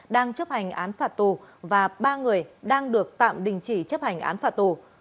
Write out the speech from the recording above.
đang chấp hành án phạt tù và ba người đang được tạm đình chỉ chấp hành án phạt tù